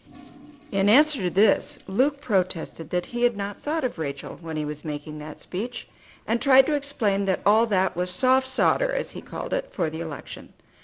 In answer to this Luke protested that he had not thought of Rachel when he was making that speech, and tried to explain that all that was "soft sawder" as he called it, for the election.